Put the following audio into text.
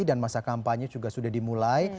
dan masa kampanye juga sudah dimulai